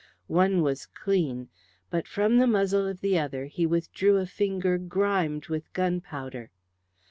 One was clean, but from the muzzle of the other he withdrew a finger grimed with gunpowder.